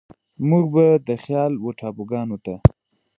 موږ به د خيال و ټاپوګانوته،